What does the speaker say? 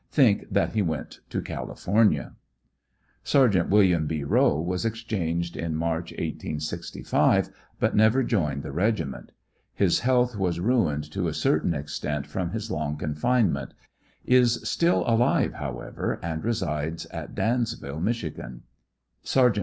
Think that he went to California. Sergt. Wm. B. Rowe was exchanged in March, 1865, but never WHAT BECAME OF THE BOYS, 161 joined the regiment. His health was ruined to a certain extent from liis long confinement. Is still alive, however, and resides at Dans ville, Mich. Sergt.